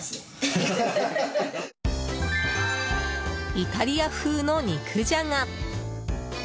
イタリア風の肉じゃが。